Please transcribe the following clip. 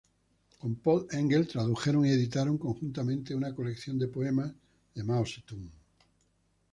Con Paul Engle tradujeron y editaron conjuntamente una colección de poemas de Mao Zedong.